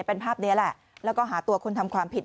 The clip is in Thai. เป็นภาพนี้แหละแล้วก็หาตัวคนทำความผิด